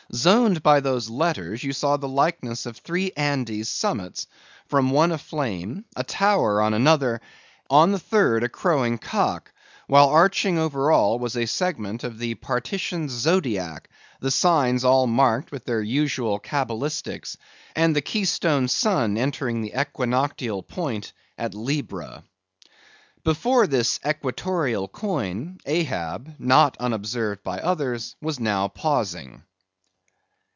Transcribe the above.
Zoned by those letters you saw the likeness of three Andes' summits; from one a flame; a tower on another; on the third a crowing cock; while arching over all was a segment of the partitioned zodiac, the signs all marked with their usual cabalistics, and the keystone sun entering the equinoctial point at Libra. Before this equatorial coin, Ahab, not unobserved by others, was now pausing.